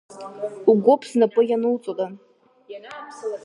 Угәыԥ знапы иануҵода?